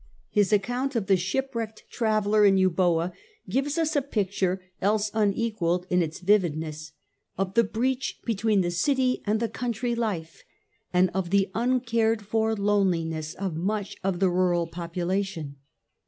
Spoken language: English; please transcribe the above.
His account of the shipwrecked traveller in Euboea gives us a picture, else unequalled in its vivid ness, of the breach between the city and the country life, and of the uncared for loneliness of much of the rural population.